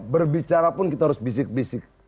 berbicara pun kita harus bisik bisik